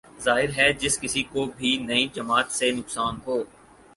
ظاہر ہے جس کس کو بھی نئی جماعت سے نقصان ہو